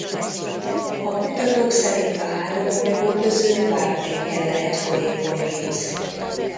A kutatók szerint a három bolygó közül bármelyiken lehet folyékony víz.